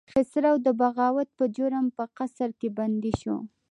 خسرو د بغاوت په جرم په قصر کې بندي شو.